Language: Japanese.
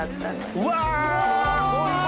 うわ！